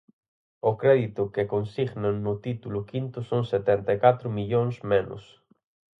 O crédito que consignan no título quinto son setenta e catro millóns menos.